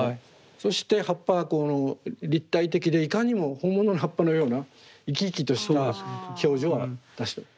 そして葉っぱがこの立体的でいかにも本物の葉っぱのような生き生きとした表情を出してます。